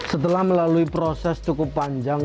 setelah melalui proses cukup panjang